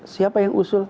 siapa yang usul